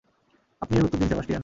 আপনিই এর উত্তর দিন, সেবাস্টিয়ান।